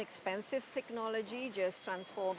apakah teknologi ini mahal